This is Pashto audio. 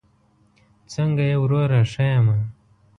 څنګه یې وروره؟ ښه یمه